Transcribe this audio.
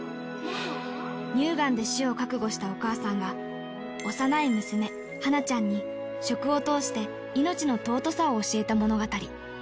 乳がんで死を覚悟したお母さんが、幼い娘、はなちゃんに、食を通して命の尊さを教えた物語。